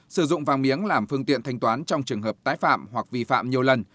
sử dụng vàng miếng làm phương tiện thanh toán trong trường hợp tái phạm hoặc vi phạm nhiều lần